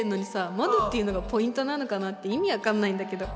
「窓っていうのがポイントなのかな」って意味分かんないんだけど。